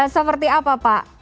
seperti apa pak